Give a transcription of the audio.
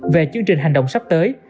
về chương trình hành động sắp tới